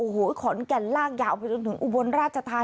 หลายแลจุด